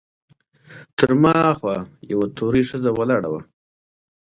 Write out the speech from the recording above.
تر ما هاخوا یوه تورۍ ښځه ولاړه وه.